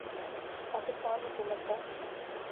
پاکستان حکومت کا